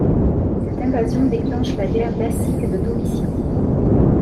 Cette invasion déclenche la guerre dacique de Domitien.